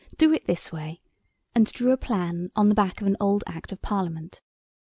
Do it this way," and drew a plan on the back of an old Act of Parliament.